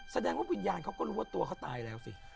แสดงว่าวิญญาณเขาก็รู้ว่าตัวเขาตายแล้วสิ